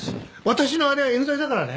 私のあれは冤罪だからね。